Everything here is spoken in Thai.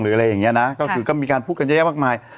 อะไรอย่างนี้นะก็คือก็มีการพูดกันเยอะแยะมากมาย